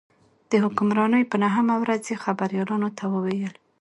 د حکمرانۍ په نهمه ورځ یې خبریالانو ته وویل.